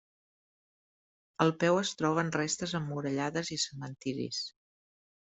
Al peu es troben restes emmurallades i cementiris.